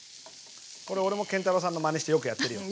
これ俺も建太郎さんのまねしてよくやってるよ。